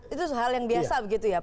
itu hal yang biasa begitu ya pak